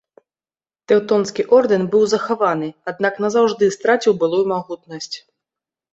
Тэўтонскі ордэн быў захаваны, аднак назаўжды страціў былую магутнасць.